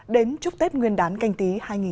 đến chúc tết nguyên đán canh tí hai nghìn hai mươi